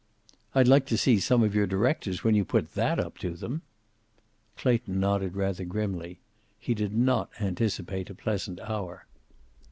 "I'd like to see some of your directors when you put that up to them!" Clayton nodded rather grimly. He did not anticipate a pleasant hour.